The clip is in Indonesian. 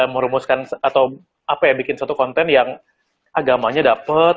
merumuskan atau apa ya bikin suatu konten yang agamanya dapat